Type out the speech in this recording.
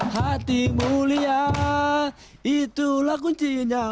hati mulia itulah kuncinya